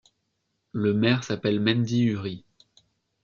Le maire s'appelle Mendy Urie.